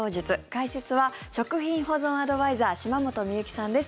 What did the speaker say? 解説は食品保存アドバイザー島本美由紀さんです。